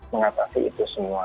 mengatasi itu semua